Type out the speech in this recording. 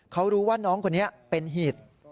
เขารู้ว่าน้องคนนี้เป็นเหตุ